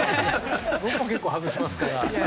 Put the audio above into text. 僕も結構外してますから。